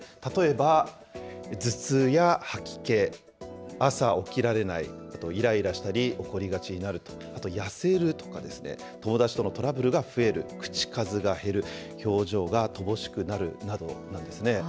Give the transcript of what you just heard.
例えば、頭痛や吐き気、朝起きられない、いらいらしたり、怒りがちになると、あと、痩せるとか、友達とのトラブルが増える、口数が減る、表情が乏しくなるなどなんですね。